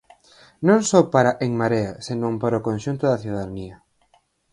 Non só para En Marea senón para o conxunto da cidadanía.